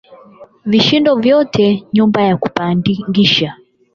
Vishindo vyote nyumba ya kupangisha